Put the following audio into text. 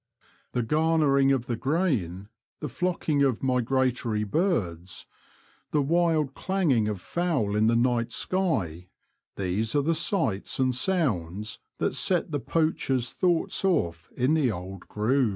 The garnering of the grain, the flocking of migratory birds, the wild clanging of fowl in the night sky — these are the sights and sounds that set the poacher's thoughts off in the old grooves.